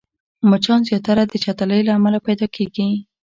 مچان زياتره د چټلۍ له امله پيدا کېږي